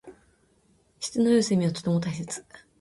質の良い睡眠はとても大切。